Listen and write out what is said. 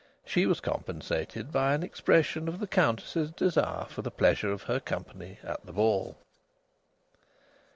She was compensated by an expression of the Countess's desire for the pleasure of her company at the ball.